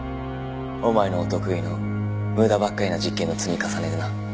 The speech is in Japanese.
お前のお得意の無駄ばっかりな実験の積み重ねでな。